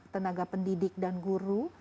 tenaga pendidik dan guru